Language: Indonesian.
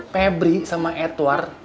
pebri sama edward